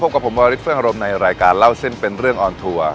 กับผมวาริสเฟื่องอารมณ์ในรายการเล่าเส้นเป็นเรื่องออนทัวร์